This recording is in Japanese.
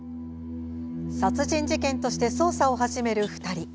殺人事件として捜査を始める２人。